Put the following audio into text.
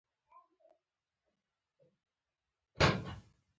د جېم کراو قوانینو نژادي تبعیض قوي کړ.